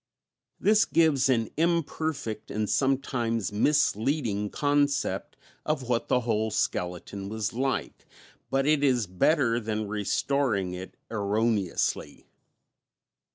This gives an imperfect and sometimes misleading concept of what the whole skeleton was like, but it is better than restoring it erroneously.